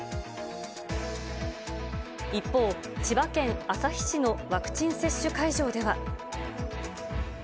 一方、千葉県旭市のワクチン接種会場では。